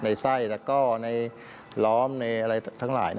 ในไส้แล้วก็ในล้อมในอะไรทั้งหลาย